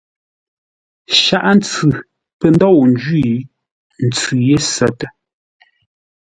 Shaghʼə-ntsʉ pə̂ ndôu ńjwî, ntsʉ ye sətə.